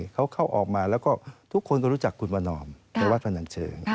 เขาเข้าออกมาแล้วก็ทุกคนก็รู้จักคุณประนอมในวัดพนันเชิง